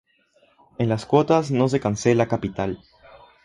En las cuotas no se cancela capital.